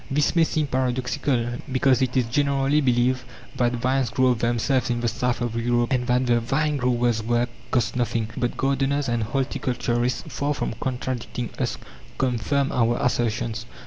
This may seem paradoxical, because it is generally believed that vines grow of themselves in the south of Europe, and that the vine grower's work costs nothing. But gardeners and horticulturists, far from contradicting us, confirm our assertions.